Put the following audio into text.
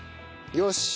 よし！